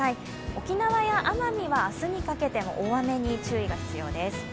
沖縄や奄美は明日にかけても大雨に注意が必要です。